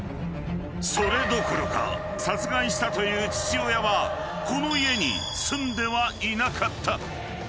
［それどころか殺害したという父親はこの家に住んではいなかった］